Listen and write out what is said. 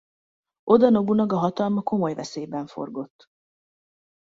Oda Nobunaga hatalma komoly veszélyben forgott.